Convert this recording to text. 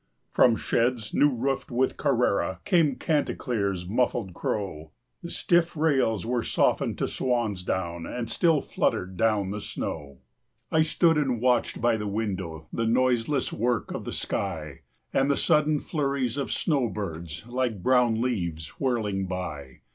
"] From sheds new roofed with Carrara Came Chanticleer's muffled crow, 10 The stiff rails were softened to swan's down, And still fluttered down the snow. I stood and watched by the window The noiseless work of the sky, And the sudden flurries of snow birds, 15 Like brown leaves whirling by.